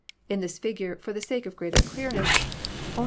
In this figure, for the sake of greater clearness, only Fig.